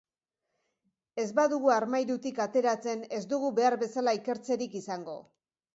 Ez badugu armairutik ateratzen, ez dugu behar bezala ikertzerik izango.